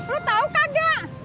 lu tau kagak